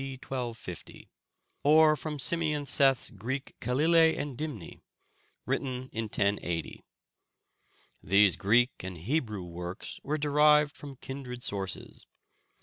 D. 1250, or from Simeon Seth's Greek Kylile and Dimne, written in 1080. These Greek and Hebrew works were derived from kindred sources.